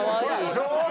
上手！